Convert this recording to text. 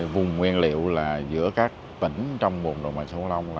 vùng nguyên liệu là giữa các tỉnh trong bồn đồ mạch hồ lông